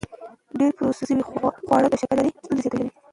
ډېر پروسس شوي خواړه د شکرې ستونزې زیاتوي.